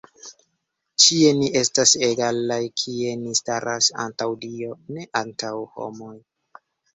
Ĉie ni estas egalaj, kie ni staras antaŭ Dio, ne antaŭ homoj.